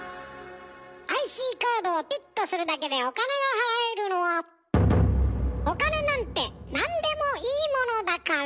ＩＣカードをピッとするだけでお金が払えるのはお金なんてなんでもいいものだから。